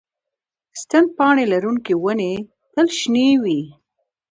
ستن پاڼې لرونکې ونې تل شنې وي